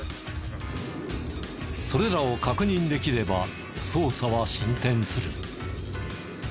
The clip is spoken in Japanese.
それらを確認できれば捜査は進展する。